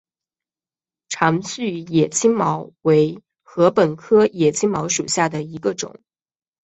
长序野青茅为禾本科野青茅属下的一个种。